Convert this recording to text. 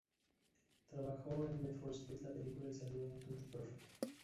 Trabajo en Need for Speed la película y salió en Dude Perfect.